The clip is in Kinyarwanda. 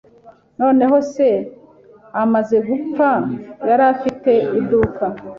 Noneho se amaze gupfa, yari afite iduka.